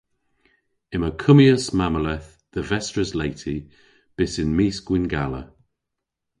Yma kummyas mamoleth dhe Vestres Laity bys yn mis Gwynngala.